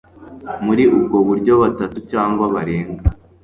muri ubwo buryo batatu cyangwa barenga